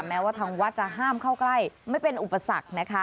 แม้ว่าทางวัดจะห้ามเข้าใกล้ไม่เป็นอุปสรรคนะคะ